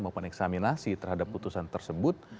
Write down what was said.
melakukan eksaminasi terhadap putusan tersebut